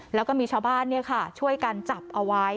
แล้วก็มีชาวบ้านช่วยกันจับเอาไว้